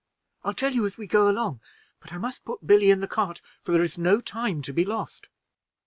"I'll tell you as we go along; but I must put Billy in the cart, for there is no time to be lost."